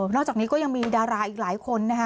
นอกจากนี้ก็ยังมีดาราอีกหลายคนนะคะ